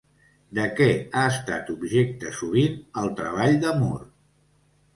De què ha estat objecte sovint el treball de Moore?